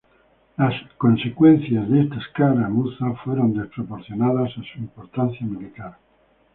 Las consecuencias de esta escaramuza fueron desproporcionadas a su importancia militar.